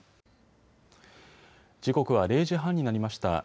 時刻は０時半になりました。